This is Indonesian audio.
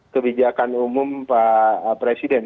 kebijakan umum pak presiden